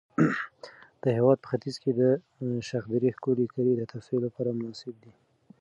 د هېواد په ختیځ کې د شخدرې ښکلي کلي د تفریح لپاره مناسب دي.